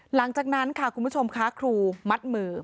หลังจากนั้นค่ะคุณผู้ชมค่ะครูมัดมือ